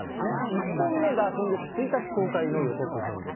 １本目が今月１日公開の予告編です。